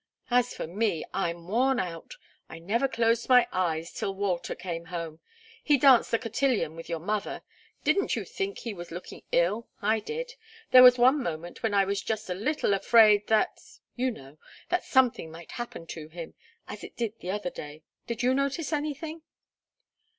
As for me, I'm worn out. I never closed my eyes till Walter came home he danced the cotillion with your mother. Didn't you think he was looking ill? I did. There was one moment when I was just a little afraid that you know that something might happen to him as it did the other day did you notice anything?"